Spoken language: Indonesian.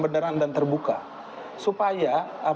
beneran dan terbuka supaya